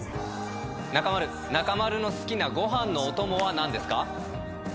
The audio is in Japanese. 中丸、中丸の好きなごはんのお供はなんですか？